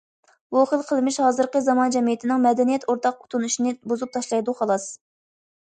بۇ خىل قىلمىش ھازىرقى زامان جەمئىيىتىنىڭ مەدەنىيەت ئورتاق تونۇشىنى بۇزۇپ تاشلايدۇ، خالاس.